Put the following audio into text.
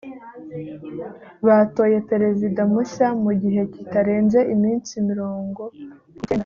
batoye perezida mushya mu gihe kitarenze iminsi mirongo icyenda